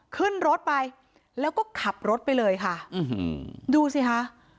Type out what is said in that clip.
ขึ้นรถไปแล้วก็ขับรถไปเลยค่ะดูสิคะ